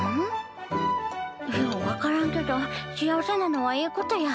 よう分からんけど幸せなのはええことや。